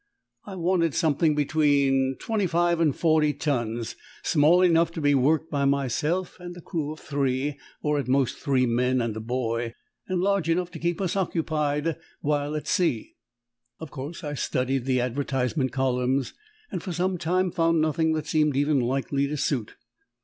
I wanted something between twenty five and forty tons, small enough to be worked by myself and a crew of three or at most three men and a boy, and large enough to keep us occupied while at sea. Of course, I studied the advertisement columns, and for some time found nothing that seemed even likely to suit.